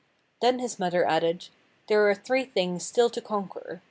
Then his mother added: 'There are three things still to conquer.